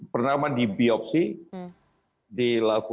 pernahkah di biopsi